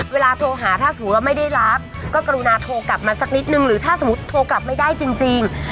เวลาโทรหาถ้าสมมุติว่าไม่ได้รับก็กรุณาโทรกลับมาสักนิดนึงหรือถ้าสมมุติโทรกลับไม่ได้จริง